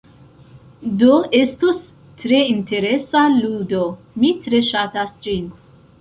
Do, estos tre interesa ludo, mi tre ŝatas ĝin.